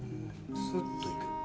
スッといく。